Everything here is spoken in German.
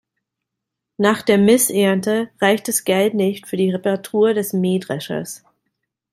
Nach der Missernte reicht das Geld nicht für die Reparatur des Mähdreschers.